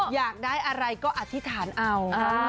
อยากได้อะไรก็อธิษฐานเอา